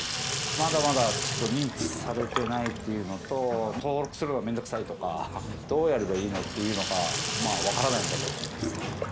まだまだちょっと認知されてないというのと、登録するのが面倒くさいとか、どうやればいいのっていうのが分からないんだと思います。